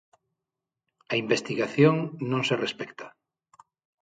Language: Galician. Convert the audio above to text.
A investigación non se respecta.